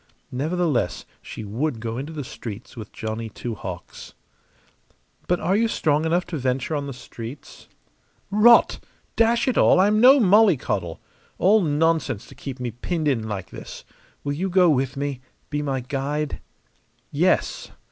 Nevertheless, she would go into the streets with Johnny Two Hawks. "But are you strong enough to venture on the streets?" "Rot! Dash it all, I'm no mollycoddle! All nonsense to keep me pinned in like this. Will you go with me be my guide?" "Yes!"